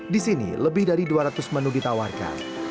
di sini lebih dari dua ratus menu ditawarkan